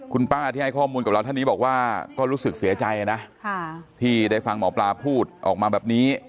คุณป้าที่ให้ข้อมูลกับเราท่านนี้บอกว่าก็รู้สึกเสียใจนะที่ได้ฟังหมอปลาพูดออกมาแบบนี้